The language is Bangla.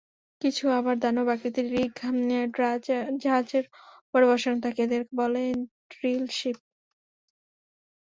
কিছু আবার দানব আকৃতির রিগ জাহাজের ওপরে বসানো থাকে, এদের বলে ড্রিলশিপ।